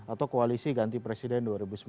atau koalisi ganti presiden dua ribu sembilan belas